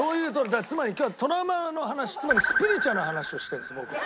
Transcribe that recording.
つまり今日はトラウマの話つまりスピリチュアルな話をしてるんです僕。